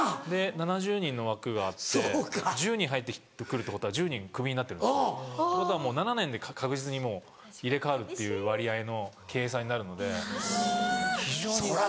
７０人の枠があって１０人入ってくるってことは１０人クビになってるんですよってことはもう７年で確実に入れ替わるっていう割合の計算になるので非常に。